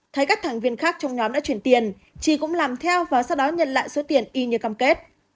thấy các thành viên khác trong nhóm đã chuyển tiền chi cũng làm theo và sau đó nhận lại số tiền y như cam kết